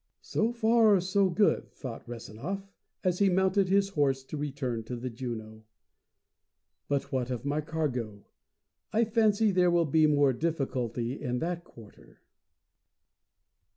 "So far so good," thought Rezanov, as he mounted his horse to return to the Juno. "But what of my cargo? I fancy there will be more difficulty in that quarter."